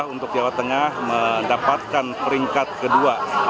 untuk jawa tengah mendapatkan peringkat kedua